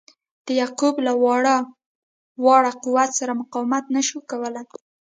د یعقوب له واړه قوت سره مقاومت نه سو کولای.